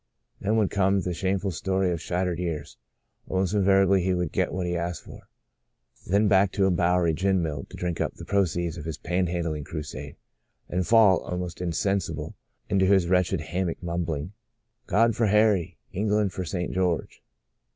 Then would come the shameful story of shattered years. Almost invariably he would get what he asked for. Then back to a Bowery gin mill to drink up the proceeds of his pan handling crusade, and fall, almost insensi ble, into his wretched hammock mumbling, " God for Harry, England and St. George